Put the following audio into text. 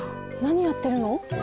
なにやってるの？